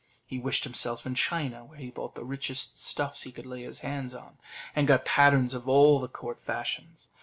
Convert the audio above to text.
He wished himself in China, where he bought the richest stuffs he could lay his hands on, and got patterns of all the court fashions.